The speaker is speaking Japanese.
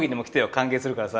歓迎するからさ。